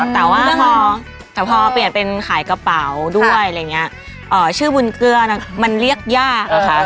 แต่พอเปลี่ยนเป็นขายกระเป๋าด้วยชื่อบุญเกลือมันเรียกยากค่ะ